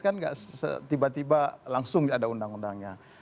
kan gak tiba tiba langsung ada undang undangnya